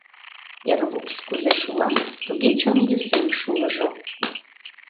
Эр лупс кузе шула, туге чон йӧсем шулыжо.